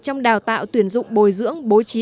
trong đào tạo tuyển dụng bồi dưỡng bố trí